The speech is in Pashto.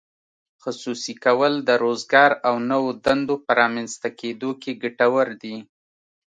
خصوصي کول د روزګار او نوو دندو په رامینځته کیدو کې ګټور دي.